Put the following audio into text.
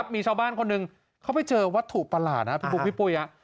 มีชาวบ้านคนหนึ่งเขาไปเจอวัตถุประหลาดนะพี่บุ๊คพี่ปุ้ย